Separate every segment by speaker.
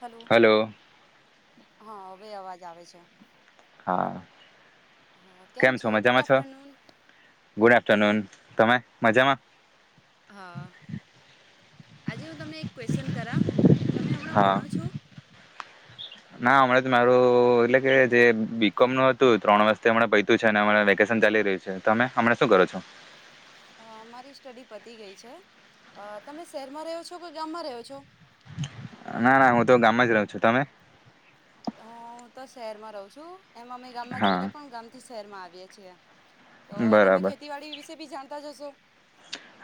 Speaker 1: Hello હા હવે અવાજ. જ આવેે છે.
Speaker 2: હા.
Speaker 1: હા કેમ છો ગુડ આફ્ટરનૂન
Speaker 2: ગુડ આફ્ટરનૂન તમે મજામાં.
Speaker 1: આજે હું તમને એક ક્વેશચન કરા. તમે હમણાં ભણો છો.
Speaker 2: ના હમણાં તો મારું એટલે કે જે બીકોમ નું હતું ત્રણ વતે હમણા પૈતું છે વેકેશન ચાલી રહ્યું છે તમે હમણાં શું કરો છો.
Speaker 1: અ મારી સ્ટડી પતી ગઈ છે તમે શહેરમાં રહ્યો છો કે ગામમાં રહ્યો છો.
Speaker 2: ના ના હું તો ગામમાં જ રહું છું તમે.
Speaker 1: હું તો શહેરમાં રહું છું. એમ અમે ગામમાં જ રતા પણ ગામ થી શહેરમા આવીયે છે તો તમે ખેતીવાડી વિશે બી જાણતા જશો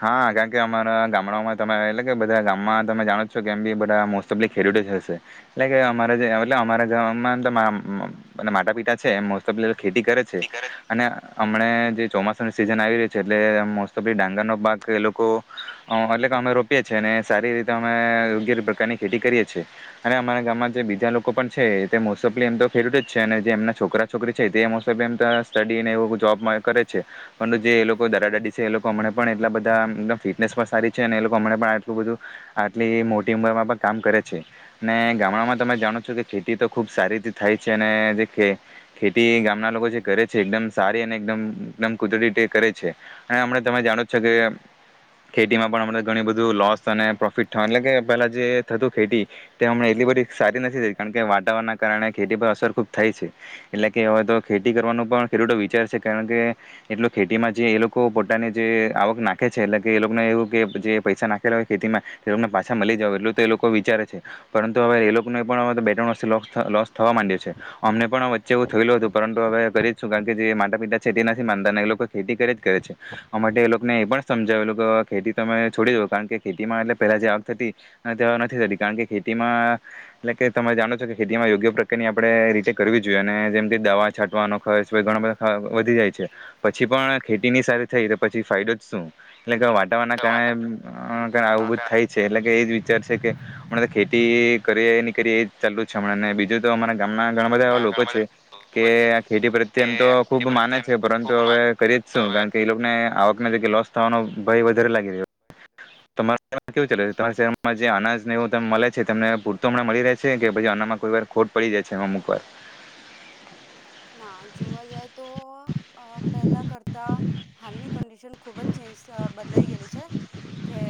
Speaker 2: હા કારણ કે અમારા ગામડામાં તમે એટલે કે બધા ગામમાં તમે જાણો છો કેમ બી બધા મોસ્ટ ઓફલી ખેલૂતો જ હશે એટલે કે અમારા જે એટલે અમારા ગામમાં માટા પિતા છે મો ઓ ખેતી કરે છે અને હમણે જે ચોમાસાની સિઝન આવી રહી છે એટલે મોસ્ટ ઓફલી ડાંગરનો [unintelligible] એ લોકો અ અલગ અમે રોપીએ છીએ અને સારી રીતે અમે યોગ્ય પ્રકારની ખેતી કરીએ છીએ અને અમારા ગામમાં જે બીજા લોકો પણ છે મોસ્ટપલી એમ તો ખેડૂત જ છે અને જે એમના છોકરા છોકરી છે તે મોલી એમ સ્ટડીને એ જોબ માં કરે છે પરંતુ જે એ લોકો દાદા દાદી છે એ લોકો અમ એટલા બધામ ફિટનેસ પણ સારી છે અમણે પણ આટલું બધું આટલી મોટી ઉંમરમાં પણ કામ કરે છે. અને ગામડામાં તમે જાણો છો કે ખેતી તો ખુબ સારી રીતે થાય છે. અને જેન ખે ખેતી ગામના લોકો જે કરે છે. એકદમ સારી અને એકદમ કુદરતી રીતે કરે છે. અને હમણાં તમે જાણો ખેતીમાં ઘણી બધું લોસ અને પ્રોફિટ થવા એટલે કે પહેલા જે થતું ખેતી તે હમણા એટલી બધી સારી નથી થતી કારણ કે વાતાવરણના કારણે ખેતી પર અસર ખૂબ થાય છે એટલે કે હવે તો ખેતી કરવાનું પણ ખેડૂતો વિચાર છે કારણ કે એટલ ખેતીમાં જે એ લોકો પોતાની જે નાખે છે એટ કે એ લોકો ને જે પૈસા નાખેલા હોય ખેતીમાં એલોકને પાછા મલી જવાય એટલું તો એ લોકો વિચારે છે પરંતુ હવે એ લોકોને પણ બે ત્રણ વર્ષે લોસ થવા માંડ્યો છે અમને પણ વચ્ચે એવું થયેલું હતું પરંતુ હવે કરી શું કારણ કે જે માતા પિતા છે તે નથી માનતા એ લોકો ખેતી કર્યા જ કરે છે આ માટે લો એ પણ સમજાવેલું તો ખેતી તમે છોડી દો કારણ કે ખેતીમાં એટલે પેલા જે આવક થતી તે નથી થતી કારણ કે ખેતીમાં એટલે કે તમે જાણો છો કે ખેતીમાં યોગ્ય પ્રકારની આપણે રીતે કરવી જોઈએ અને જેમકે દવા છાંટવાનો ખર્ચ ઘણા બધા વધી જાય છે પછી પણ ખેતી ની સારી થઈ તો પછી ફાયદો શું એટલે કે વાતાવરણ કારણે આવું બધ થાય છે એટલે કે એ જ વિચાર છે કે હમણા તો ખેતી કરી એ ની કરીએ એજ ચાલતું છે હણાં ને બીજું તો અમારા ગામના ઘણા બધા એવા લોકો છે કે આ ખેતી પ્રત્યે એમ તો ખુબ માને છે પરંતુ હવે કરીએ જ શું કારણ કે એ લોકોને આવક ના લીધે લોસ થવાનો ભય વધારે લાગી રહ્યો તમા કેવું ચાલે તમાર શહેરમાં જે અનાજને એવુ મળે છે તમને પૂરતું હમણાં મળી રહે છે કે પછી અનામાં કોઈ વાર ખોટ પડી જાય છે અમુક વાર
Speaker 1: ના જોવા જાય તો પહેલા કરતા હાલની કન્ડીશન ખુબ જ ચેન્જ બદલાઈ ગયલી છે. કે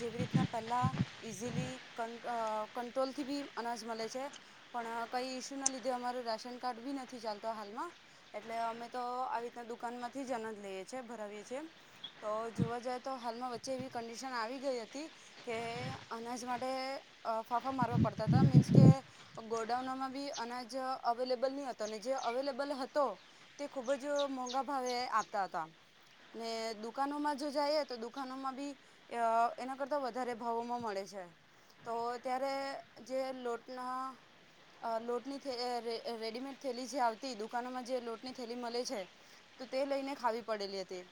Speaker 1: જેવી રીતના પેલાં ઈઝીલી કન અ કંટોલથી બી અનાજ મલે છે પણ કઈ ઇશ્યુના લીધે અમારું રાશન કાર્ડ બી નથી ચાલતો હાલમાં એટલે અમે તો આવી રીતના દુકાનમાંથી જ અનાજ લઈએ છે ભરાવીએ છે તો જોવા જઈએ તો હાલમાં વચ્ચે એવી કન્ડિશન આવી ગઈ હતી કે અનાજ માટે ફાફા મારવા પડતા હતા મીન્સ કે ગોડાઉનમાં બી અનાજ અવેલેબલ નહી જે અવેલેબલ હતો તે ખુબ જ મોંઘા ભાવે આપતા હતા ને દુકાનોમાં જો જઈએ તો દુકાનોમાં બી અ એના કરતા વધારે ભાવોમાં મળે છે તો ત્યારે જે લોટના અ લોટની રેડીમેડ થેલી જે આવતી દુકાનોમાં જે લોટ ની થેલી મળે છે તો તે લઈને ખાવી પડેલી હતી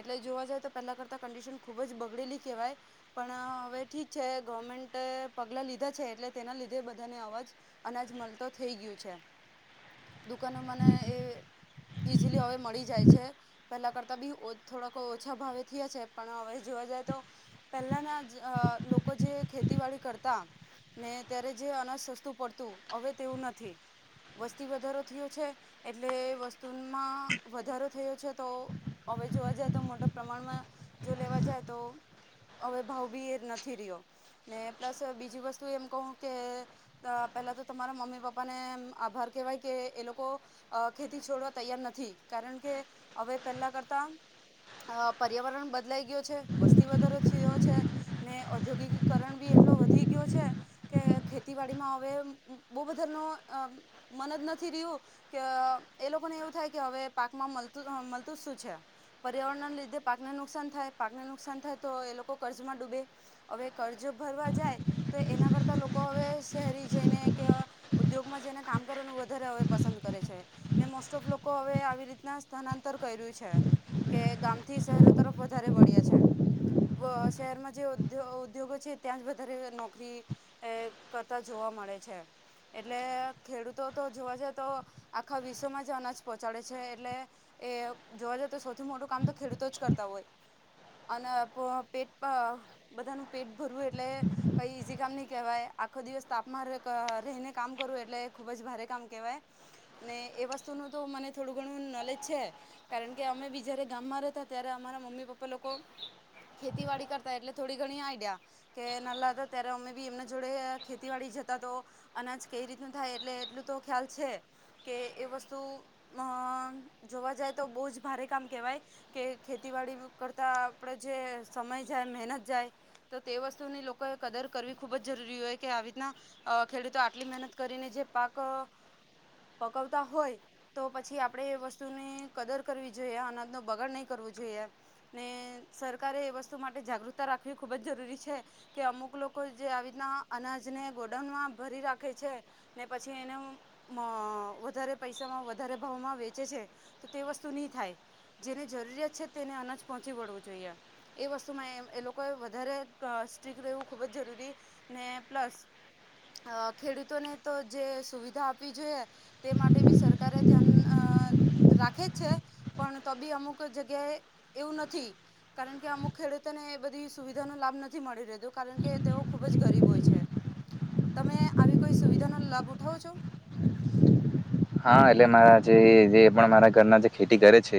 Speaker 1: એટલે જોવા જઈ તો પહેલા કરતા કંડિશન ખુબ જ બગડેલી કહેવાય પણ હવે ઠીક છે ગવર્મેન્ટ પગલા લીધા છે એટલે તેના લીધે બધાને અવાજ અનાજ મળતો થઈ ગયું છે. દુકાનો મને એ ઈઝીલી હવે મળી જાય છે પેલા કરતા બી થોડાક ઓછા ભાવે થયા છે પણ હવે જોવા જાય તો પેલાના જ અ લોકો જે ખેતીવાડી કરતા ને ત્યારે જે અનાજ સસ્તું પડતું હવે તેવું નથી વસ તી વધારો થયો છે એટલે વસ્તુમાં વધારો થયો છે તો હવે જોવા જાય તો મોટા પ્રમાણમાં જો લેવા જાય તો હવે ભાવ ભી એ નથી રહ્યો ને પ્લસ બીજી વસ્તુ એમ કહું કે પેલા તો તમારા મમ્મી પપ્પાને આભાર કેવાય કે એ લોકો અ ખેતી છોડવા તૈયાર નથી કારણ કે હવે પહેલા કરતા પર્યાવરણ બદલાઈ ગયો છે વસ્તી વધારો થયો છે ને ઔદ્યોગિકીકરણ બી એટલો વધી ગયો છે કે ખેતીવાડીમાં હવે બો બધાનો મન જ નથી રહ્યું કે એ લોકોને એવું થાય કે હવે પાકમાં મળતું મળતું શું છે પર્યાવરણ ના લીધે પાકને નુકસાન થાય પાકને નુકસાન થાય તો એ લોકો કર્જમાં ડૂબે હવે કર્જ ભરવા જાય તો એના કરતા લોકો હવે શહેરી જઈને કે ઉદ્યોગમાં જઈને કામ કરવાનું વધારે હવે પસંદ કરે છે. ને મોસ્ટ ઓફ લોકો હવે આવી રીતના સ્થનાંતર કર્યું છે. કે ગામથી શહેરો તરફ વધારે વળ્યા છે. શહેરમાં જે ઉ ઉદ્યોગો છે ત્યાં જ વધારે નોકરી કરતા જોવા મળે છે. એટલે ખેડૂતો તો જોવા જઈએ તો આખા વિશ્વમાં જ અનાજ પહોંચાડે છે એટલે એ જોવા જઈએ તો સૌથી મોટું કામ તો ખેડૂતો જ કરતા હોય અને પેટ બધાનું પેટ ભરવું એટલે કઈ ઈઝી કામ નહી કહેવાય આખો દિવસ તાપમાન રહીને કામ કરવું એટલે ખુબ જ ભારે કામ કેવાય અને એ વસ્તુનું તો મને થોડું ઘણું નોલેજ છે કારણ કે અમે બી જારે ગામમાં રહેતા ત્યારે અમારા મમ્મી પપ્પા લોકો ખેતીવાડી કરતા એટલે થોડી ઘણી આઈડિયા કે નાલા હતા ત્યારે અમે બી એમના જોડે ખેતીવાડી જતા તો અનાજ કઈ રીતનું થાય એટલે એટલું તો ખ્યાલ છે કે એ વસ્તુ અ જોવા જાય તો બહુ જ ભારે કામ કેહેવાય કે ખેતીવાડી કરતા આપણે જે સમય જાય મહેનત જાય તો તે વસ્તુની લોકોએ કદર કરવી ખૂબ જ જરૂરી હોય કે આવી રીતના ખેડૂતો આટલી મહેનત કરીને જે પાક પકવતા હોય તો પછી આપણેે એ વસ્તુની કદર કરવી જોઈએ અનાજનો બગાડ નહીં કરવો જોઈએ ને સરકારે એ વસ્તુ માટે જાગૃતતા રાખવી ખૂબ જ જરૂરી છે કે અમુક લોકો જે આવી રીતના અનાજને ગોડાઉનમાં ભરી રાખે છે. ને પછી એને અ વધારે પૈસામાં વધારે ભાવમાં વેચે છે તો તે વસ્તુ નહી થાય જેને જરૂરિયાત છે તેને અનાજ પહોંચી વળવું જોઈએ એ વસ્તુમાં એ લોકોએ વધારે અ સ્ટ્રીિક રહેવું ખૂબ જ જરૂરી ને પ્લસ અ ખેડૂતોને તો જે સુવિધા આપવી જોઈએ તે માટે બી સરકારે ધ્યાન અ રાખે જ છે પણ તો બી અમુક જગ્યાએ એવું નથી કારણ કે અમુક ખેડૂતોને એ બધી સુવિધા ન લાભ નથી મળી રહેતો કારણ કે તેઓ ખુબ જ ગરીબ હોય છે તમે આવી કોઈ સુવિધાનો લાભ ઉઠાવો છો?
Speaker 2: હા એટલે મારા જે પણ મારા ઘર ના જે ખેતી કરે છે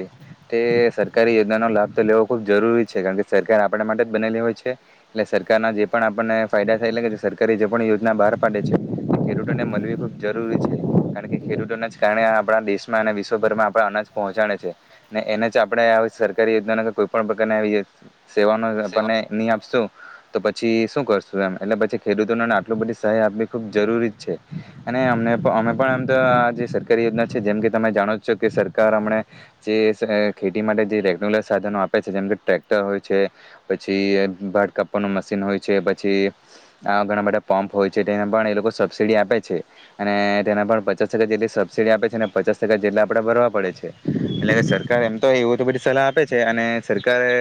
Speaker 2: તે સરકારી યોજનાનો લાભ તો લેવો ખૂબ જરૂરી છે. કારણ કે સરકાર આપડા માટે જ બનેલી હોય છે. એટલે સરકારના જે પણ આપણને ફાયદા થાય એ લાગે છે સરકારારે જે પણ યોજના બહાર પાડે છે ખેડૂતોને મળવી ખૂબ જરૂરી છે કારણ કે ખેડૂત એના જ કારણે આપણા દેશમાં ને વિશ્વભરમાં આપણા અનાજ પહોચાડે છે ને એને જ આપણેે આ સરકારી યોજનાના કોઈ પણ પ્રકારની આવી જે સેવાનો આપણને ની આપશું તો પછી શું કરશું એમ. એટલે પછી ખેડૂતોનોન આટલ બધી સહાય આપવી ખૂબ જરૂરી જ છે અને અમને અમે પણ એમ તો આ સરકારી યોજના છે. જેમ કે તમે જાણો જ છો કે સરકાર હમણે જે સ અ ખેતી માટે જે રેગ્યુલર સાધનો આપ જેમ કે ટ્રેક્ટર હોય છે પછી અ ભાટ કાપાનું મશીન હોય છે પછી આ ઘણા બધા પંપ હોય છે તેના પણ એ લોકો સબસીડી આપે છે અને તેના પણ પચાસ ટકા જેટલી સબસિડી આપે છે અને પચાસ ટકા જેટલા આપડે ભરવા પડે છે. એટલે સરકાર એમ તો એવું તો બધી સલાહ આપે છે અને સરકારે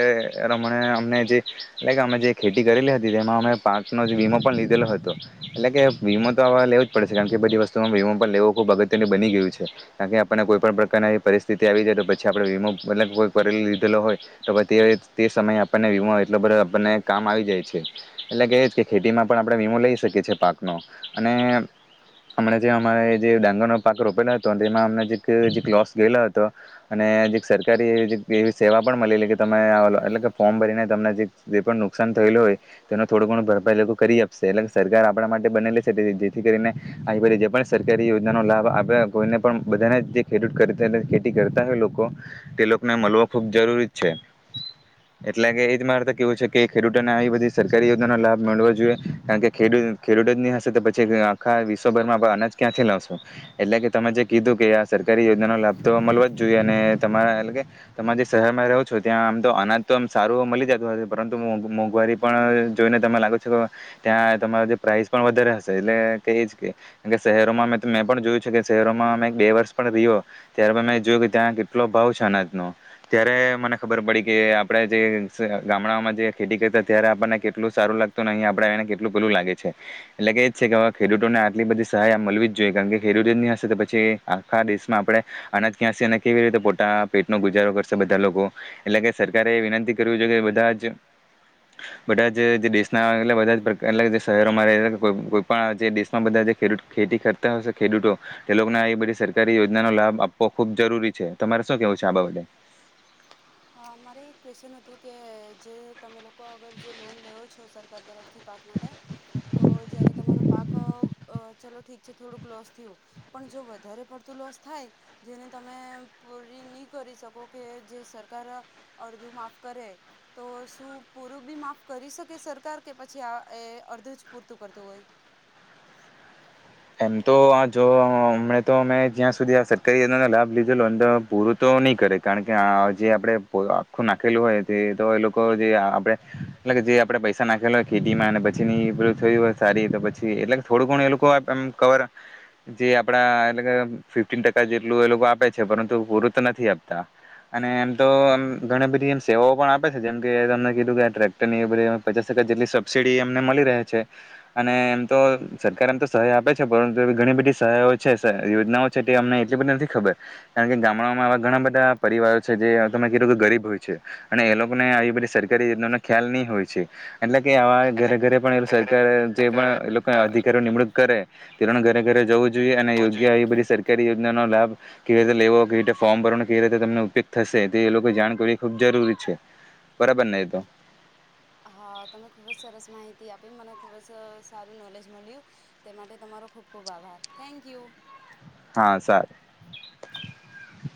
Speaker 2: રમણે અમને જે લક અમે જે ખેતી કરેલી હતી તેમાં અમે પાકનો વીમો પણ લીધેલો હતો. એટલે કે વીમો તો હવે લેવો જ પડશે કારણ કે બધી વસ્તુમાં વીમો પણ લેવો ખૂબ અગત્ય નું બની ગયું છે. કાર કે આપણને કોઈ પણ પ્રકારની એવી પરિસ્થિતિ આવી જાય તો પછી આપણે વીમો મતલબ કોઈ કરી લીધ હોય તો વધી તે સમયે આપણને વીમો એટલો બધો આપણને કામ આવી જાય છે. એટલે કે ખેતીમાં પણ આપણે વીમો લઈ શકીએ છે પાકનો અને હમણાં જે અમારે જે ડાંગરનો [unintelligible] લોસ ગયેલો હતો અને જે એક સરકારી [unintelligible] મલેલી કે તમે અ-અલ -એટલે કે ફોર્મ ભરીને તમને જે-જે પણ નુકસાન થયેલું હોય તેનો થોડો ઘણો ભરપાઈ એ લોકો કરી આપશે એટલે સરકાર આપણા માટે બનેલી છે જે-જેથી કરીને આવી બઘી જે પણ સરકારી યોજનાનો લાભ આપડા કોઈને પણ બધાને જે ખેડૂત [unintelligible] ખેતી કરતા હોય લોકો તે લોકોન મલો ખૂબ જરૂરી જ છે. એટલે કે એ જ માર તો કેવું છે કે ખેડૂતોને આવી બધી સરકારી યોજનાના લાભો મળવો જોએ. કારણ કે ખેડ-ખેડૂતો જ ની હશે તો પછી ક આખા વિશ્વભરમાં આપ અનાજ ક્યાંથી લાવશું? એટલે કે તમે જે કીધું કે આ સરકારી યોજનાનો લાભ તો અ મલવો જ જોએ અને તમા એટલે કે તમારે જે શહેરમાં રેવ છું ત્યાં આમ તો અનાજ તો આમ સારું આમ મલી જતું હશે પરંતુ મોંઘ-મોંઘવારી પણ જોઈને તમે લાગો છો ત્યાં તમારો જે પ્રાઇસ પણ વધાર હશે એટલે કે એ જ કે જે શહેરોમાં મે ત મેં પણ જોયું છકે છે. શહેરોમાં અમે એક બે વર્ષ પણ રહ્યો ત્યાર મે જોયું કે ત્યાં કેટલો ભાવ છે અનાજનો. ત્યારે મને ખબર પડી કે આપડે જે સ અ ગામડામાં જે ખેતી કરતા ત્યારે આપણને કેટલું સારું લાગતું ન અહી આપડે આઈને કેટલું પેલું લાગે છે. એટલે કે એ જ છે કે હવે ખેડૂતોને આટલી બધી સહાય મલવી જ જોઈએ. કારણ કે ખેડૂતે જ ની હશે તો પછી આખા દેશના આપડે અનાજ ક્યાં સી અને કેવી રીતે પોટા પેટનો ગુજારો કર છે. બધા લોકો એટલે કે સરકારે વિનંતી કરવી જોઈએ છે કે બધા જ બધા જ જે દેશના એટલે બધા પ્રકા એટલે જે શહેરોમાં રેય છ કોઈ પણ જે દેશમાં બધા જે ખેડૂત ખેતી કરતા હશે ખેડૂતો એ લોકોન આ બધી સરકારી યોજનાનો લાભ આપવો ખૂબ જરૂરી છે. તમારે શું કેવું છે આ બાબતે?
Speaker 1: [inaudible] અ મારે એક ક્વેશન હતું કે જે તમે લો અગર જો લોન લેવો છ તો સરકાર તરફથી પાક માટે તો જયારે તમારો પાક અ અ ચલો ઠીક છે થોડુંક લોસ થ્યું પણ જો વધારે પડતું લોસ થાય જેને તમે પૂરી ની કરી શ કો જે સરકાર અડધું માફ કરે. તો શું પૂરું બી માફ કરી શકે સરકાર કે પછી આ એ અર્ધું જ પૂરતું કરતું હોય?
Speaker 2: મ તો આ જો હમણે તો મેં જ્યાં સુધી આ સરકારીનો ન લાભ લીધોલો ન તો પૂરું તો નહીં કરે કારણ કે આ જે આપણે પો આખું નાખેલું હોય તે તો એ લો લોકો જે અ આપડે એટલે ક જે આપડે પૈસા નાખેલા હોય ખેતીમાં અને પછી ની પેલું થયું હોય સારી તો પછી એટલે થોડું ઘણું એ લોકો તમ કવર જે આપડા એટલે કે ફિફ્ટન ટકા જેટલું એ લોકો આપે છે પરંતુ પૂરું તો નથી આપતા અને એમ તો એમ ઘણી બધી એમ સેવાઓ પણ આપે છે, જેમ કે તમને કીધું કે આ ટ્રેક્ટર ને એ બધું પચાસ ટકા જેટલી સબસીડી એમને મલી રહે છે અને એમ તો સરકાર એમ તો સહાય આપે છે પરંતુ એ ઘણી બધી સહાયો છે યોજનાઓ છે તે અમને એટલી બધી નથી ખબર કારણ કે ગામડામાં આવા ઘણા બધા પરિવારો છે જે તમે કીધું કે ગરીબ હોય છે અને એ લોકોને કરી એનો ખ્યાલ નહી હોય છે એટલે કે આવા ઘરે ઘરે પણ એ સરકાર જે પણ એ લોકો અધિકારી નિમણૂક તિરણ ઘરે ઘરે જવું જ યોગ્ય આવી બધી સરકારી યોજના લાભવી કેવી રીતે લેવો કેવ રીતે ફોર્મ ભરવા કેવી રીતે ત ઉપયોગ થશે તે લોકો જાણ કરવી ખૂબ જરૂરી છે બરાબરને એ ને તો
Speaker 1: મને ખુબ જ સારું નોલેજ મળ્યું તે માટે તમારો ખુબ ખુબ આભાર. Thank you.
Speaker 2: હા સારું.